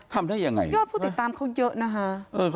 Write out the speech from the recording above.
ทำได้ยังไงยอดผู้ติดตามเขาเยอะนะคะ